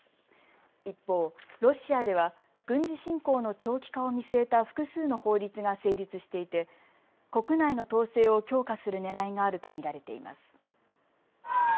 一方、ロシアでは軍事侵攻の長期化を見据えた複数の法律が成立していて、国内の統制を強化するねらいがあると見られています。